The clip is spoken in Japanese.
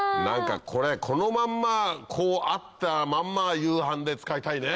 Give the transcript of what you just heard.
これこのまんまこうあったまんま夕飯で使いたいね！